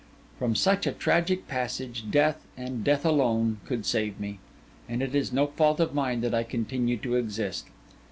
From such a tragic passage, death, and death alone, could save me; and it is no fault of mine if I continue to exist.